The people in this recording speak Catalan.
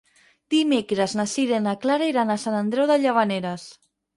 Dimecres na Sira i na Clara iran a Sant Andreu de Llavaneres.